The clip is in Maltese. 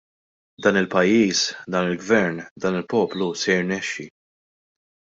Dan il-pajjiż, dan il-Gvern, dan il-poplu se jirnexxi!